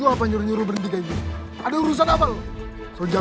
yang pernah bakti nangeline aja